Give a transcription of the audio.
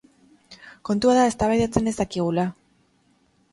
Kontua da eztabaidatzen ez dakigula!